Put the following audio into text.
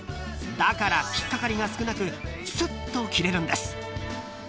［だから引っ掛かりが少なくすっと切れるんです］